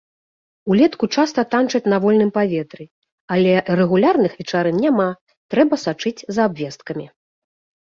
Улетку часта танчаць на вольным паветры, але рэгулярных вечарын няма, трэба сачыць за абвесткамі.